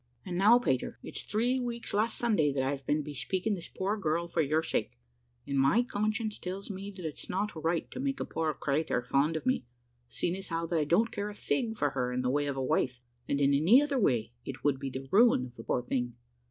"And now, Peter, it's three weeks last Sunday, that I've been bespeaking this poor girl for your sake, and my conscience tells me that it's not right to make a poor cratur fond of me, seeing as how that I don't care a fig for her in the way of a wife, and in any other way it would be the ruin of the poor thing.